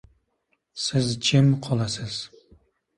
Siz jim qolasiz.